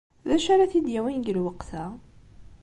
D acu ara t-id-yawin deg lweqt-a?